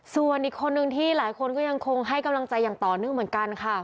ส่วนอีกคนหนึ่งที่หลายคนยังคงให้กำลังใจต่อหนึ่งเหมือนกันค่ะ